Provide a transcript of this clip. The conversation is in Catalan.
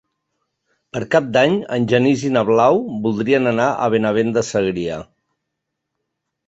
Per Cap d'Any en Genís i na Blau voldrien anar a Benavent de Segrià.